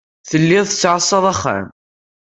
Telliḍ tettɛassaḍ axxam.